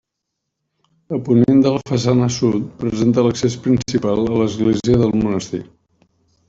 A ponent de la façana sud presenta l'accés principal a l'església del monestir.